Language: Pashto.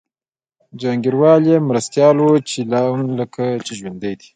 جهانګیروال یې مرستیال و چي لا هم لکه چي ژوندی دی